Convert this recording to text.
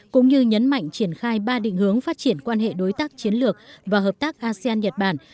cũng như nhấn mạnh triển khai ba định hướng phát triển quan hệ đối tác chiến lược và hợp tác asean nhật bản